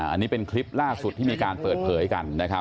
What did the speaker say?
อันนี้เป็นคลิปล่าสุดที่มีการเปิดเผยกันนะครับ